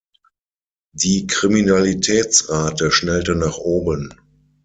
Die Kriminalitätsrate schnellte nach oben.